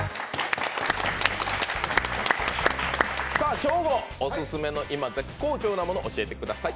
ショーゴ、オススメの今絶好調なもの教えてください。